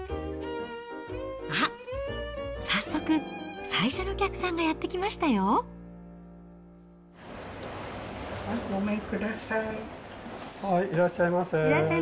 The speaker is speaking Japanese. あっ、早速最初のお客さんがやって来ましたよ。ごめんください。